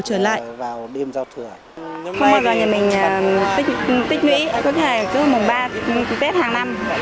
không bao giờ nhà mình tích nghĩ có thể cứ mùng ba mùng tết hàng năm